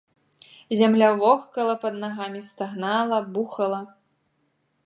Зямля вохкала пад нагамі, стагнала, бухала.